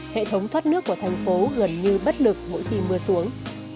hệ thống thoát nước của thành phố gần như bất lực mỗi khi mưa xuống